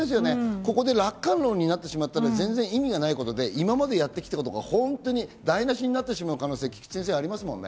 ここで楽観論になったら意味がないので、今までやってきたことが本当に台無しになってしまう可能性がありますよね？